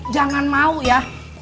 jangan mau ya